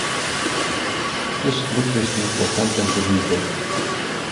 Acest lucru este important pentru viitor.